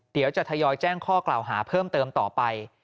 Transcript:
เดี๋ยวจะทยอยแจ้งข้อกล่าวหาเพิ่มเติมต่อไป